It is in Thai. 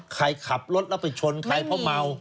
ใครขับรถเราไปชนใครเพราะเมา